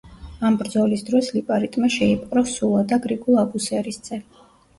ამ ბრძოლის დროს ლიპარიტმა შეიპყრო სულა და გრიგოლ აბუსერისძე.